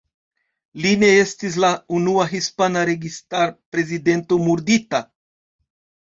Li ne estis la unua hispana registar-prezidento murdita.